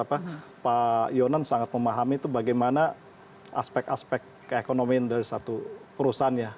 pak yonan sangat memahami itu bagaimana aspek aspek keekonomian dari satu perusahaan ya